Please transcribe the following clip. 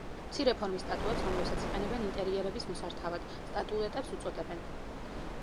მცირე ფორმის სტატუებს, რომლებსაც იყენებენ ინტერიერების მოსართავად, სტატუეტებს უწოდებენ.